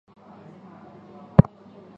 祖父王思与。